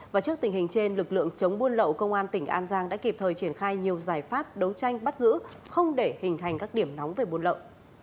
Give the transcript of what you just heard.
và trước tình hình trên lực lượng chống buôn lậu công an tỉnh an giang đã kịp thời triển khai nhiều giải pháp đấu tranh bắt giữ không để hình thành các điểm nóng về buôn lậu